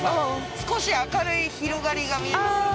少し明るい広がりが見えます？